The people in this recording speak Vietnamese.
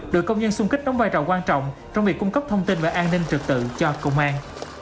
đội công nhân xung kích đóng vai trò quan trọng trong việc cung cấp thông tin về an ninh trực tự cho công an